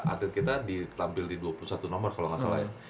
atlet kita ditampil di dua puluh satu nomor kalau nggak salah ya